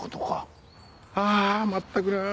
ああまったくなあ。